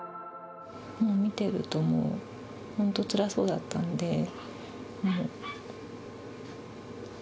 見ていると、もう本当、つらそうだったんで。